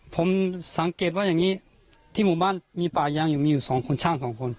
ผมสังเกตว่าอย่างนี้ที่หมู่บ้านมีป่ายางอยู่มีอยู่สองคนช่างสองคน